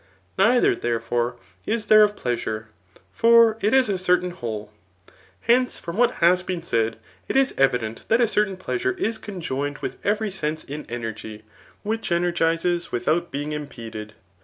Nei ther, therefore, is there of pleasure ; for it is a certain whole. Hence, from what has been said, it is evident that a certain pleasure is conjoined with every sense in energy, which energizes without being impeded.